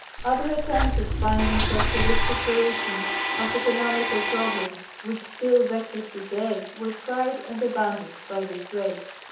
Other attempts at finding socialistic solutions of economical problems which still vex us to day, were tried and abandoned by this race.